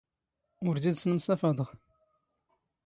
ⵓⵔ ⴷⵉⴷⵙⵏ ⵎⵙⴰⴼⴰⴹⵖ.